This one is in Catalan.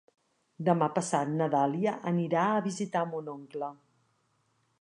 Demà passat na Dàlia anirà a visitar mon oncle.